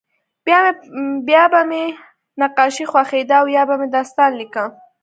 بیا به مې نقاشي خوښېده او یا به مې داستان لیکه